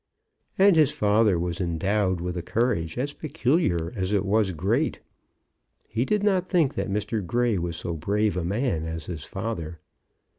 And his father was endowed with a courage as peculiar as it was great. He did not think that Mr. Grey was so brave a man as his father.